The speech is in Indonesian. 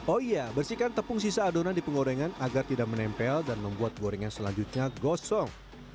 oh iya bersihkan tepung sisa adonan di penggorengan agar tidak menempel dan membuat gorengan selanjutnya gosong